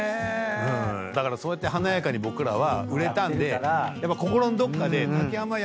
だからそうやって華やかに僕らは売れたんで心のどっかで。